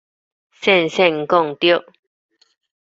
聖聖講著